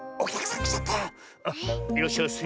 いらっしゃいませ。